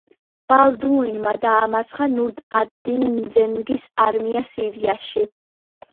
ბალდუინმა დაამარცხა ნურ ად-დინ ზენგის არმია სირიაში.